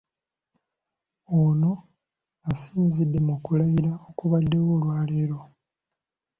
Ono asinzidde mu kulayira okubaddewo olwaleero.